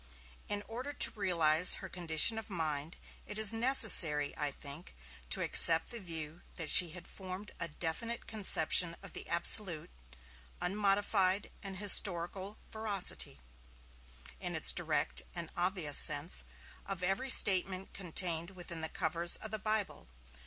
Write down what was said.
In order to realize her condition of mind, it is necessary, I think, to accept the view that she had formed a definite conception of the absolute, unmodified and historical veracity, in its direct and obvious sense, of every statement contained within the covers of the Bible.